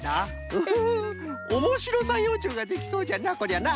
ウフフおもしろさんようちゅうができそうじゃなこりゃな。